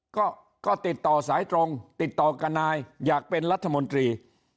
ก็ก็ติดต่อสายตรงติดต่อกับนายอยากเป็นรัฐมนตรี